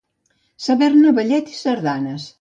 Saber-ne ballet i sardanes.